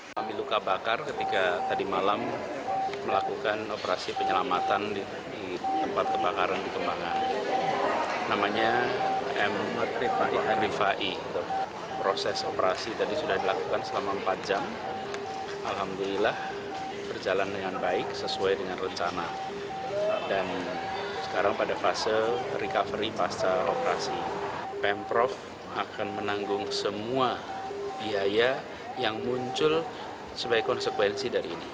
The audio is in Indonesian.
pemprov akan menanggung semua biaya yang muncul sebagai konsekuensi dari ini